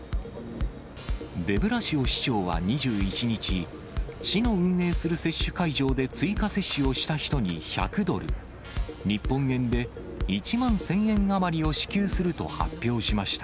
デブラシオ市長は２１日、市の運営する接種会場で追加接種をした人に１００ドル、日本円で１万１０００円余りを支給すると発表しました。